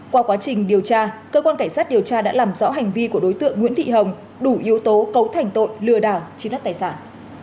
qua quá trình điều tra cơ quan cảnh sát điều tra đã làm rõ hành vi của đối tượng nguyễn thị hồng đủ yếu tố cấu thành tội lừa đảo chiếm đất tài sản